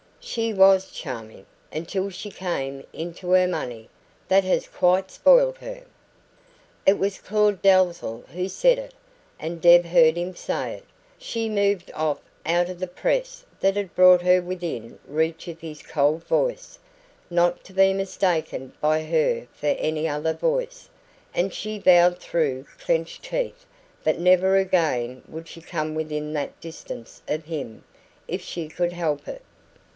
"She WAS charming until she came into her money. That has quite spoilt her." It was Claud Dalzell who said it, and Deb heard him say it. She moved off out of the press that had brought her within reach of his cold voice not to be mistaken by her for any other voice and she vowed through clenched teeth that never again would she come within that distance of him, if she could help it.